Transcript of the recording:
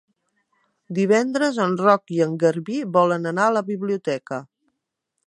Divendres en Roc i en Garbí volen anar a la biblioteca.